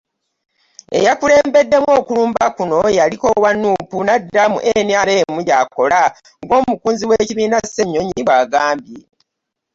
"Eyakulembeddemu okulumba kuno yaliko owa NUP n’adda mu NRM gy’akola ng’omukunzi w’ekibiina,” Ssenyonyi bw’agambye.